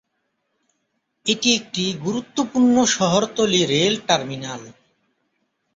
এটি একটি গুরুত্বপূর্ণ শহরতলি রেল টার্মিনাল।